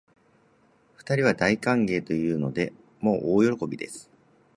二人は大歓迎というので、もう大喜びです